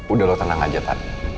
udah lo tenang aja tadi